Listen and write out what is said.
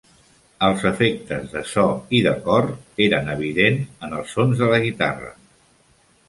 Els efectes de so i de cor eren evidents en els sons de la guitarra.